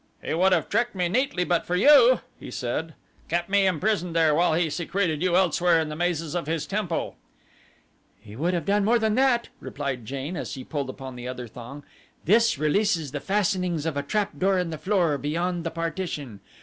"He would have tricked me neatly but for you," he said; "kept me imprisoned there while he secreted you elsewhere in the mazes of his temple." "He would have done more than that," replied Jane, as she pulled upon the other thong. "This releases the fastenings of a trapdoor in the floor beyond the partition.